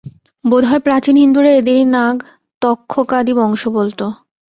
বোধ হয় প্রাচীন হিন্দুরা এদেরই নাগ-তক্ষকাদি বংশ বলত।